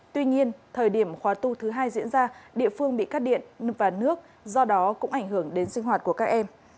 tuy nhiên thời điểm khóa tu thứ hai diễn ra địa phương bị cắt điện và nước do đó cũng ảnh hưởng đến sinh hoạt của các em